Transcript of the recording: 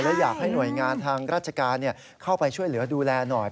และอยากให้หน่วยงานทางราชการเข้าไปช่วยเหลือดูแลหน่อย